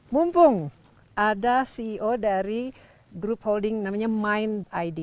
mumpung ada ceo dari grup holding namanya mind id